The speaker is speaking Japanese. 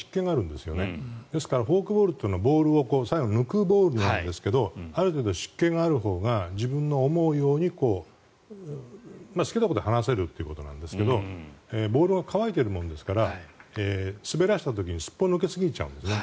ですからフォークボールというのはボールを最後に抜くボールなんですけどある程度、湿気があるほうが自分の思うように好きなところで離せるということなんですけどボールが乾いているので滑らせた時にすっぽ抜け過ぎちゃうんですね。